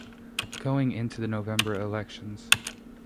Going into the November elections.